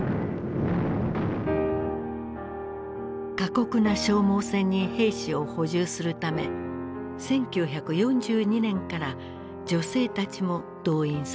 過酷な消耗戦に兵士を補充するため１９４２年から女性たちも動員された。